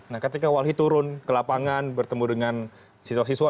nah ketika walhi turun ke lapangan bertemu dengan siswa siswa